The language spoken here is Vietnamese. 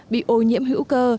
bị ô nhiễm hữu cơ